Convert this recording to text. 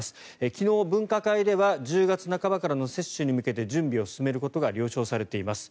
昨日、分科会では１０月半ばからの接種に向けて準備を進めることが了承されています。